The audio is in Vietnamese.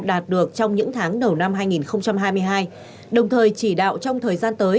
đạt được trong những tháng đầu năm hai nghìn hai mươi hai đồng thời chỉ đạo trong thời gian tới